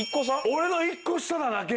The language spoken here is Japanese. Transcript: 俺の１個下なだけ？